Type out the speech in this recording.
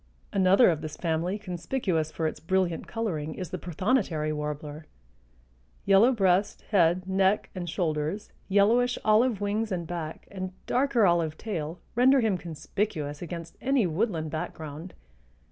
Another of this family conspicuous for its brilliant coloring is the prothonotary warbler. Yellow breast, head, neck and shoulders, yellowish olive wings and back and darker olive tail render him conspicuous against any woodland background.